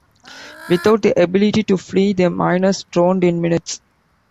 Without the ability to flee, the miners drowned in minutes.